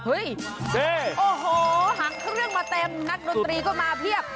โอ้โหหางเครื่องมาเต็มนักดนตรีก็มาเพียบ